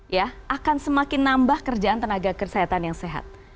ya akan semakin nambah kerjaan tenaga kesehatan yang sehat